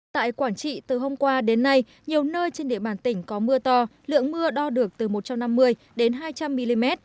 tại quảng trị từ hôm qua đến nay nhiều nơi trên địa bàn tỉnh có mưa to lượng mưa đo được từ một trăm năm mươi đến hai trăm linh mm